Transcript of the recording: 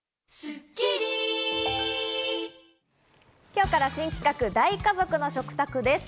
今日から新企画、大家族の食卓です。